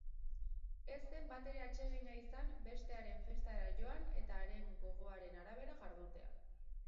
Ez zen batere atsegina izan bestearen festara joan eta haren gogoaren arabera jardutea.